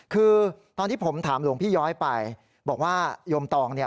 คือตอนที่ผมถามหลวงพี่ย้อยไป